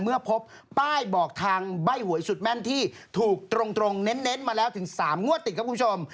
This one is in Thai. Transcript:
เมื่อพบป้ายบอกทางใบ้หวยสุดแม่นที่ถูกตรงเน้นมาแล้วถึง๓งวดติดครับคุณผู้ชม